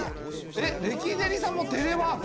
えっレキデリさんもテレワーク？